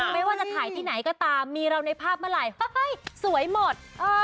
ไม่ว่าจะถ่ายที่ไหนก็ตามมีเราในภาพเมื่อไหร่สวยหมด